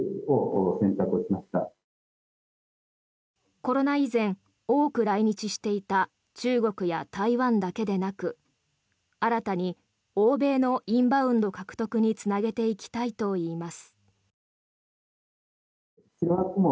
コロナ以前、多く来日していた中国や台湾だけでなく新たに欧米のインバウンド獲得につなげていきたいといいます。